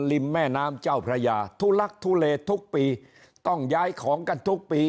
ริมแม่น้ำเจ้าพระยาทุลักทุเลทุกปีต้องย้ายของกันทุกปี